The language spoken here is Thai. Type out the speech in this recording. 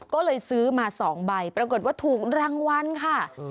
ก็เลยซื้อมา๒ใบปรากฏว่าถูกรางวัลค่ะ